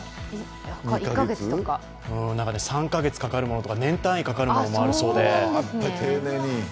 ３か月かかるものとか、年単位かかるものもあるそうで。